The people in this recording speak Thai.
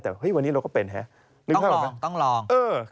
แต่วันนี้เราก็เป็นนึกภาพแรกต้องลองต้องลอง